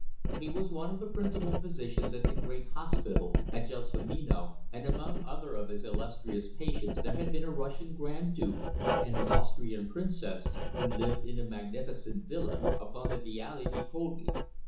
He was one of the principal physicians at the great hospital at Gelsomino, and among other of his illustrious patients there had been a Russian Grand Duke and an Austrian princess who lived in a magnificent villa upon the Viale dei Colli.